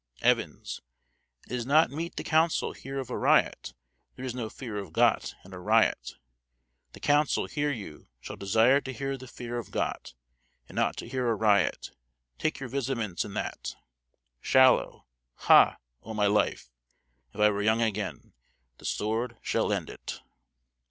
Evans. It is not meet the council hear of a riot; there is no fear of Got in a riot; the council, hear you, shall desire to hear the fear of Got, and not to hear a riot; take your vizaments in that. Shallow. Ha! o' my life, if I were young again, the sword should end it!"